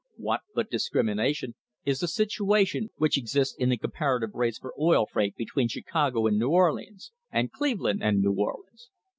What but discrim ination is the situation which exists in the comparative rates for oil freight between Chicago and New Orleans, and Cleveland and New Orleans?